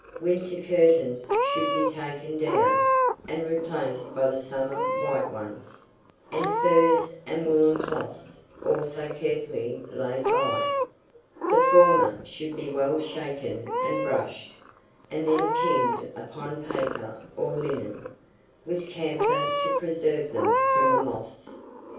Winter curtains should be taken down, and replaced by the summer white ones; and furs and woollen cloths also carefully laid by. The former should be well shaken and brushed, and then pinned upon paper or linen, with camphor to preserve them from the moths.